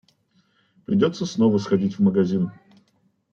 Придётся снова сходить в магазин.